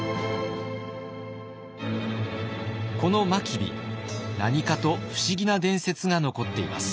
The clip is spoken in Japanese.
この真備何かと不思議な伝説が残っています。